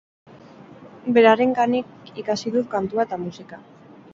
Beraren ganik ikasi dut kantua eta musika.